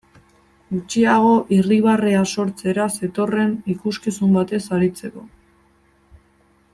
Gutxiago irribarrea sortzera zetorren ikuskizun batez aritzeko.